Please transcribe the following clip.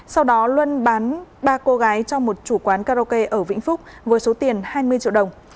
sau đó luân bán ba cô gái trong một chủ quán karaoke ở vĩnh phúc với số tiền hai mươi triệu đồng